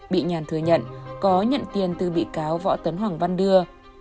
bị nhàn thừa nhận có nhận tiền từ bị cáo võ tấn hoàng văn đưa